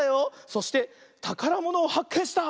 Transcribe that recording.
そしてたからものをはっけんした！